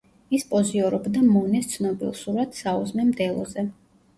ის პოზიორობდა მონეს ცნობილ სურათ „საუზმე მდელოზე“.